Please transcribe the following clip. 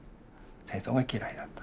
戦争が嫌いだった。